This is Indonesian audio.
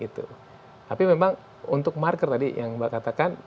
tapi memang untuk marker tadi yang mbak katakan